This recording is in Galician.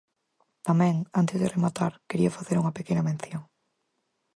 Tamén, antes de rematar, quería facer unha pequena mención.